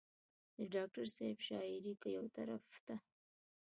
د ډاکټر صېب شاعري کۀ يو طرف ته